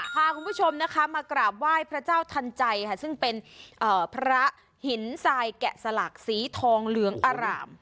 พาคุณผู้ชมนะคะมากราบไหว้พระเจ้าทันใจค่ะซึ่งเป็นพระหินทรายแกะสลักสีทองเหลืองอร่าม